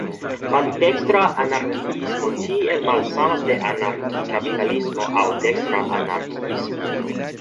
Maldekstra anarkiismo tiel malsamas de anarki-kapitalismo aŭ "dekstra" anarkiismo.